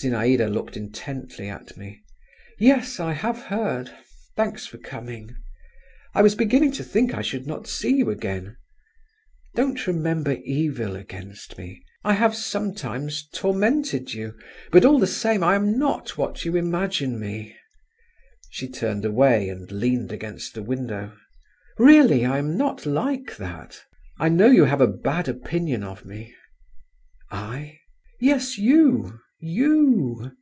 Zinaïda looked intently at me. "Yes, I have heard. Thanks for coming. I was beginning to think I should not see you again. Don't remember evil against me. I have sometimes tormented you, but all the same I am not what you imagine me." She turned away, and leaned against the window. "Really, I am not like that. I know you have a bad opinion of me." "I?" "Yes, you … you."